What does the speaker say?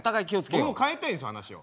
僕も変えたいんですよ話を。